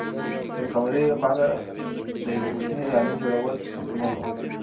د قمرۍ لپاره د یوې کوچنۍ ځالۍ جوړول ستونزمن و.